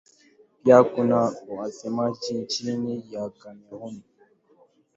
Pia kuna wasemaji nchini Kamerun.